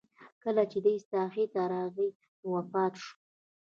کله چې دې ساحې ته راغی نو وفات شو.